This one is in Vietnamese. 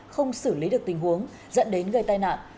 không xử lý được tình huống dẫn đến gây tai nạn